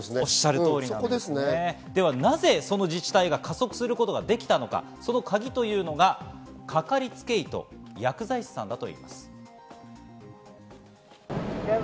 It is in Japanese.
なぜその自治体が加速することができたのか、カギというのがかかりつけ医と薬剤師さんです。